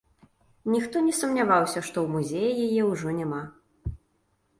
Ніхто не сумняваўся, што ў музеі яе ўжо няма.